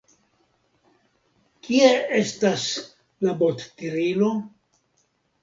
Kie estas la bottirilo?